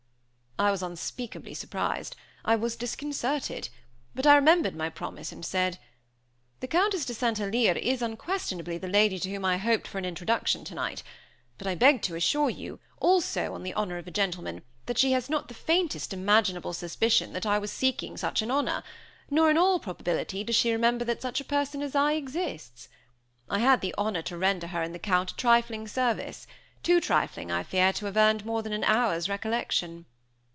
I was unspeakably surprised; I was disconcerted; but I remembered my promise, and said: "The Countess de St. Alyre is, unquestionably, the lady to whom I hoped for an introduction tonight; but I beg to assure you, also on the honor of a gentleman, that she has not the faintest imaginable suspicion that I was seeking such an honor, nor, in all probability, does she remember that such a person as I exists. I had the honor to render her and the Count a trifling service, too trifling, I fear, to have earned more than an hour's recollection."